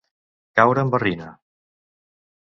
Caure en barrina.